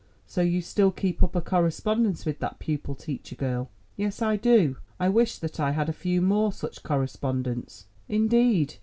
So you still keep up a correspondence with that pupil teacher girl." "Yes, I do. I wish that I had a few more such correspondents." "Indeed.